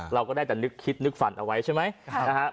เราก็ได้แต่นึกคิดนึกฝันเอาไว้ใช่ไหม